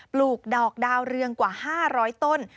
ลูกดอกดาวเรืองกว่า๕๐๐ต้น